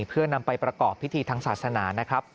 เพื่อนำไปประกอบพิธีทางศาสนานะครับ